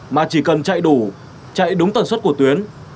mà chỉ cần chạy đủ chạy đúng tần suất của tuyến